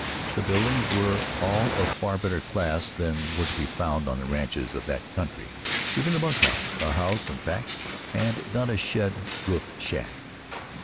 The buildings were all of far better class than were to be found on the ranches of that country; even the bunkhouse a house, in fact, and not a shed roofed shack.